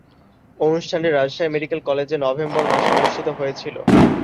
অনুষ্ঠানটি রাজশাহী মেডিকেল কলেজে নভেম্বর মাসে অনুষ্ঠিত হয়েছিলো।